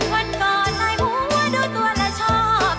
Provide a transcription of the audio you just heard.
วันก่อนไหล่หัวดูตัวเราชอบ